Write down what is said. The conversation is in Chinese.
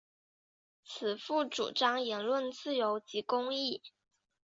此赋主张言论自由及公义。